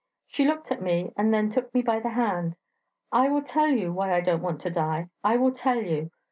She looked at me, and then took me by the hand. 'I will tell you why I don't want to die: I will tell you...